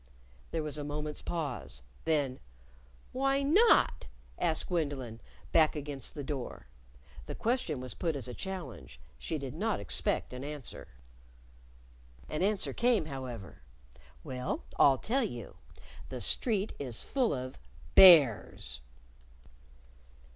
There was a moment's pause. Then, "Why not?" asked Gwendolyn, back against the door. The question was put as a challenge. She did not expect an answer. An answer came, however. "Well, I'll tell you: The street is full of bears."